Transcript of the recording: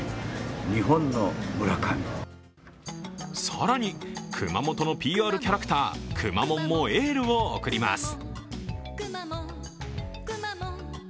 更に熊本のＰＲキャラクターくまモンもエールを送ります。